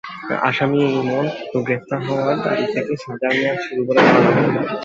আসামি ইমন গ্রেপ্তার হওয়ার তারিখ থেকে সাজার মেয়াদ শুরু বলে ধরা হবে।